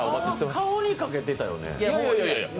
顔にかけてたよね。